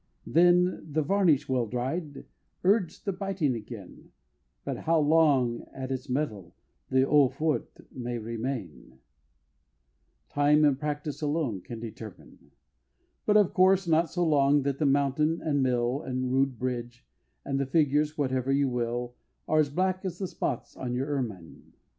Then the varnish well dried urge the biting again, But how long at its meal the eau forte may remain, Time and practice alone can determine: But of course not so long that the Mountain, and Mill, The rude Bridge, and the Figures, whatever you will, Are as black as the spots on your ermine.